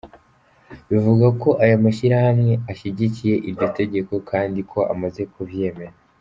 Bivugwa ko ayo mashirahamwe ashigikiye iryo tegeko, kandi ko amaze kuvyemera.